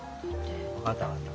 分かった分かった。